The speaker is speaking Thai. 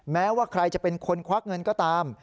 แม้ว่าใครจะเป็นคนควักเงินก็ตาม